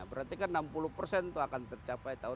berarti kan enam puluh persen itu akan tercapai tahun dua ribu